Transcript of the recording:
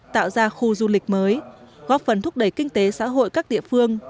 tạo ra khu du lịch mới góp phần thúc đẩy kinh tế xã hội các địa phương